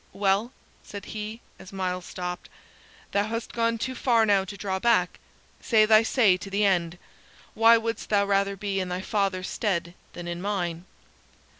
"Well," said he, as Myles stopped, "thou hast gone too far now to draw back. Say thy say to the end. Why wouldst thou rather be in thy father's stead than in mine?"